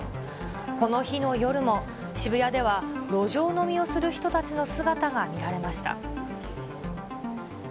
この日の夜も、渋谷では路上飲みをする人たちの姿が見られました。